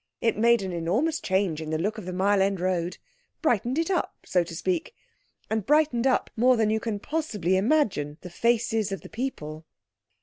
It made an enormous change in the look of the Mile End Road—brightened it up, so to speak, and brightened up, more than you can possibly imagine, the faces of the people.